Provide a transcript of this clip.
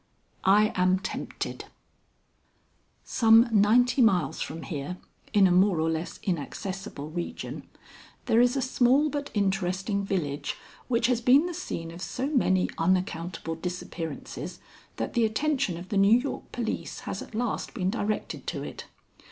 II I AM TEMPTED "Some ninety miles from here, in a more or less inaccessible region, there is a small but interesting village, which has been the scene of so many unaccountable disappearances that the attention of the New York police has at last been directed to it.